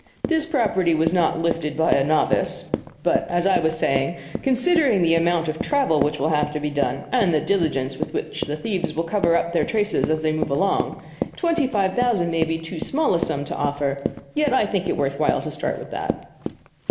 This property was not 'lifted' by a novice. But, as I was saying, considering the amount of travel which will have to be done, and the diligence with which the thieves will cover up their traces as they move along, twenty five thousand may be too small a sum to offer, yet I think it worth while to start with that."